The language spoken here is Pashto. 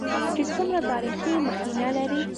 چې څومره تاريخي مخينه لري.